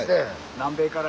南米から。